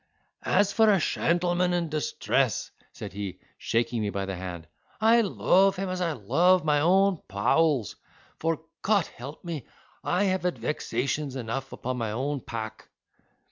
"As for a sheltenman in distress," said he, shaking me by the hand, "I lofe him as I lofe my own powels: for, Cot help me! I have had vexations enough upon my own pack."